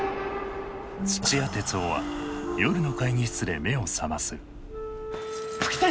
土屋徹生は夜の会議室で目を覚ます。